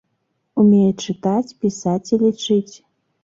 Умее чытаць, пісаць і лічыць.